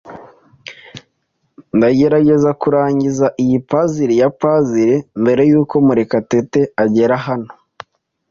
Ndagerageza kurangiza iyi puzzle ya puzzle mbere yuko Murekatete agera hano.